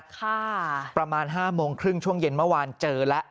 ค่ะประมาณห้าโมงครึ่งช่วงเย็นเมื่อวานเจอแล้ว